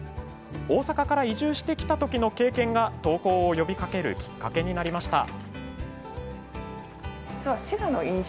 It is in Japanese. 大阪から移住してきた時の経験が投稿を呼びかけるきっかけになりました。